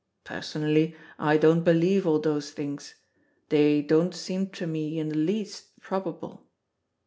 Personally I don't believe all those things. They don't seem to me in the least probable."